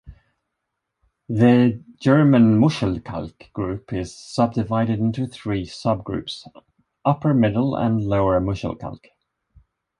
The German Muschelkalk Group is subdivided into three subgroups: Upper, Middle and Lower Muschelkalk.